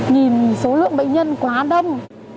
nhìn số lượng bệnh nhân quá đông